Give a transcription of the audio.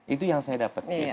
itu yang saya dapat